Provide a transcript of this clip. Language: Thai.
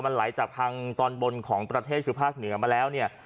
มันไหลจากทางตอนบนของประเทศคือภาคเหนือมาแล้วเนี่ย